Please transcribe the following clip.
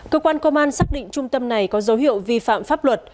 cơ quan công an xác định trung tâm này có dấu hiệu vi phạm pháp luật